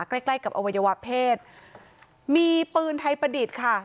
ใกล้ใกล้กับอวัยวะเพศมีปืนไทยประดิษฐ์ค่ะ